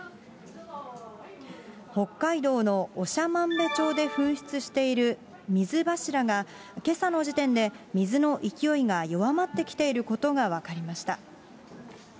北海道の長万部町で噴出している水柱が、けさの時点で水の勢いが弱まってきていることが分かりました。